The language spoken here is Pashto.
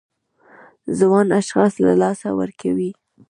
ځوان اشخاص له لاسه ورکوي.